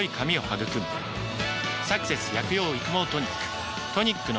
「サクセス薬用育毛トニック」